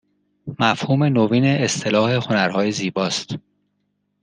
مفهوم نوین اصطلاح هنرهای زیباست